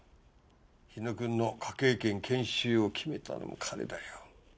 日野君の科警研研修を決めたのも彼だよ。